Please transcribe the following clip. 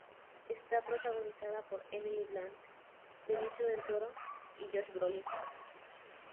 Está protagonizada por Emily Blunt, Benicio del Toro y Josh Brolin.